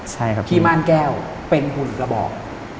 ใช่ครับที่ม่านแก้วเป็นหุ่นกระบอก